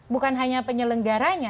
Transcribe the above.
bukan hanya penyelenggaranya